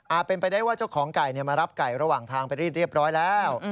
เป็นไปได้ว่าเจ้าของไก่มารับไก่ระหว่างทางไปรีดเรียบร้อยแล้ว